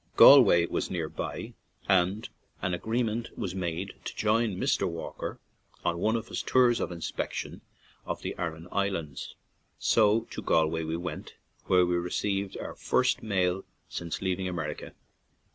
Galway was near by, and an agree ment was made to join Mr. Walker on one of his tours of inspection to the Aran Islands. So to Galway we went, where we received our first mail since leaving America.